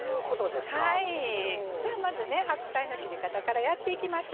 まず白菜の切り方からやっていきます。